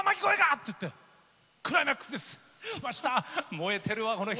燃えてるわこの人。